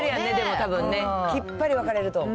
たぶんきっぱり分かれると。